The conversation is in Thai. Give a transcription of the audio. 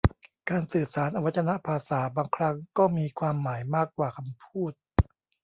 การสื่อสารอวัจนภาษาบางครั้งก็มีความหมายมากกว่าคำพูด